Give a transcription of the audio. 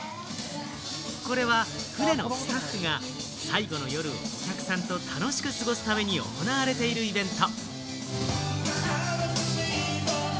これは船のスタッフが最後の夜をお客さんと楽しく過ごすために行われているイベント。